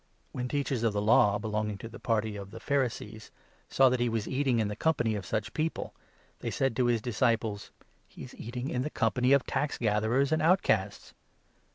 When 16 the Teachers of the Law belonging to the party of the Pharisees saw that he was eating in the company of such people, they said to his disciples :" He is eating in the company of tax gatherers and out casts